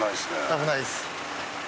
危ないです。